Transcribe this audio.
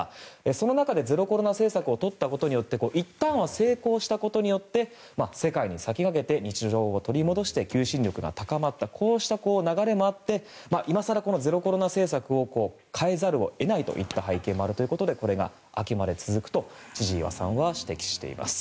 その中でゼロコロナ政策をとったことによりいったんは成功したことによって世界に先駆けて日常を取り戻して求心力が高まったという流れもあって今更ゼロコロナ政策を変えざるを得ないという背景もあってこれが秋まで続くと千々岩さんは指摘します。